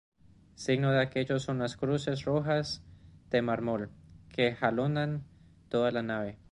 Signo de aquello son las cruces rojas de mármol que jalonan toda la nave.